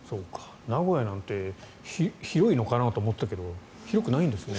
名古屋なんて広いのかなと思ったけど広くないんですね。